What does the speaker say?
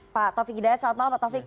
pak taufik hidayat selamat malam pak taufik